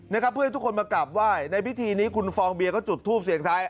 นะครับเพื่อให้ทุกคนมากราบไหว้ในพิธีนี้คุณฟองเบียก็จุดทูปเสียงท้าย